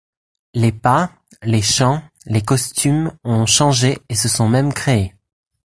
Les pas, les chants, les costumes ont changé et se sont même créés.